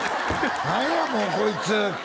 何やもうこいつ！